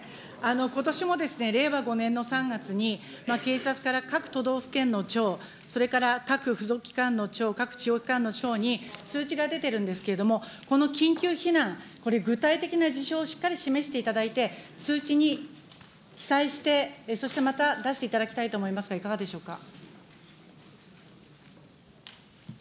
ことしも、令和５年の３月に警察から各都道府県の長、それから各付属機関の長、各地方機関の長に通知が出てるんですけれども、この緊急避難、これ、具体的な事象をしっかり示していただいて、通知に記載して、そしてまた出していただきたいと思いますが、いかがでしょうか。